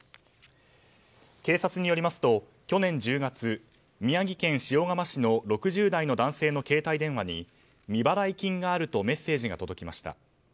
警察によりますと去年１０月宮城県塩竈市の６０代の男性の携帯電話に未払い金があるとメッセージが届きました。